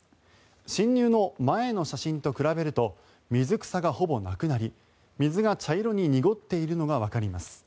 侵入の前の写真と比べると水草がほぼなくなり水が茶色に濁っているのがわかります。